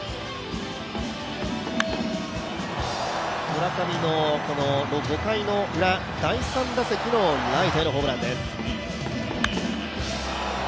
村上の５回のウラ、第３打席のライトへのホームランです。